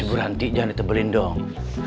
ibu ranti jangan ditebelin dong